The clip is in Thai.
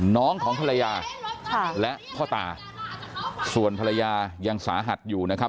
ของภรรยาและพ่อตาส่วนภรรยายังสาหัสอยู่นะครับ